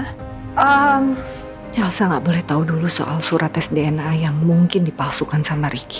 hmm elsa nggak boleh tahu dulu soal surat tes dna yang mungkin dipalsukan sama ricky